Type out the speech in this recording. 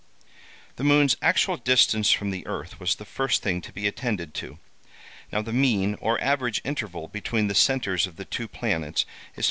"The moon's actual distance from the earth was the first thing to be attended to. Now, the mean or average interval between the centres of the two planets is 59.